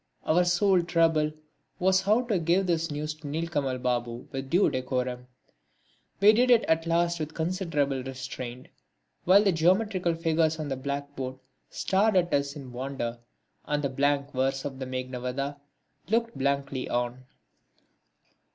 Our sole trouble was how to give this news to Nilkamal Babu with due decorum. We did it at last with considerable restraint, while the geometrical figures on the blackboard stared at us in wonder and the blank verse of the Meghnadvadha looked blankly on.